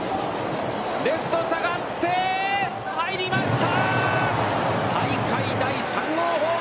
レフト、下がって入りましたー！